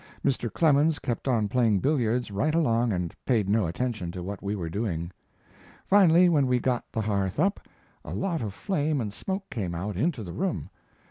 Mr. Clemens kept on playing billiards right along and paid no attention to what we were doing. Finally, when we got the hearth up, a lot of flame and smoke came out into the room.